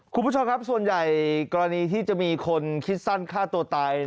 คุณผู้ชมครับส่วนใหญ่กรณีที่จะมีคนคิดสั้นฆ่าตัวตาย